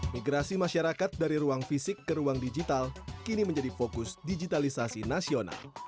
migrasi masyarakat dari ruang fisik ke ruang digital kini menjadi fokus digitalisasi nasional